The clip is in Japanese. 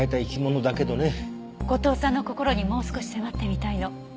後藤さんの心にもう少し迫ってみたいの。